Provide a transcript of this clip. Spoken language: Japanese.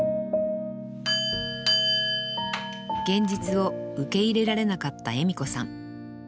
現実を受け入れられなかった恵美子さん。